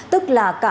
tức là cả người bán